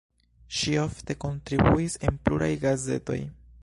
Ŝi ofte kontribuis en pluraj gazetoj.